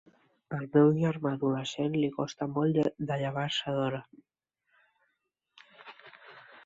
Al meu germà adolescent li costa molt de llevar-se d'hora.